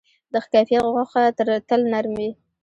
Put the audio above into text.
د ښه کیفیت غوښه تل نرم وي.